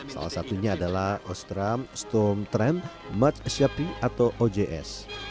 salah satunya adalah ostram storm tram matsyapi atau ojs